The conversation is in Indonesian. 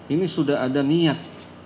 ini sudah ada niat